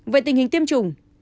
vậy tình hình tiêm chủng